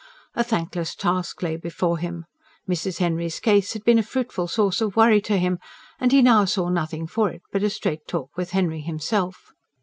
A thankless task lay before him. Mrs. Henry's case had been a fruitful source of worry to him; and he now saw nothing for it but a straight talk with Henry himself.